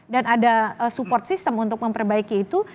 dan ada support system untuk memperbaiki itu